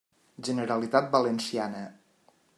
Generalitat valenciana.